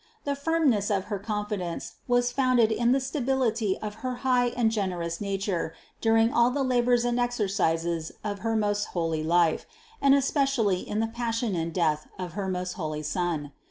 The firmness of her confidence was founded in the stability of her high and generous nature during all the labors and exercises of her most holy life, and especially in the Passion and Death of her most holy Son.